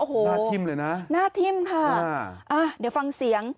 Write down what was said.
โอ้โหหน้าทิ่มเลยนะหน้าทิ่มค่ะอ่าเดี๋ยวฟังเสียง